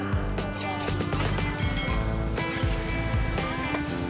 masjid enggak mau doang